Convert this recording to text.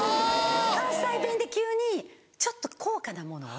関西弁で急にちょっと高価なものを。